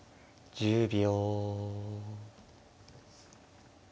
１０秒。